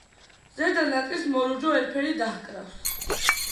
ზედა ნაწილს მოლურჯო ელფერი დაჰკრავს.